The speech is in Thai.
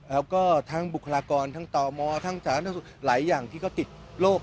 แล้วก็ทั้งบุคลากรทั้งต่อมอทั้งสถานที่หลายอย่างที่ก็ติดโรค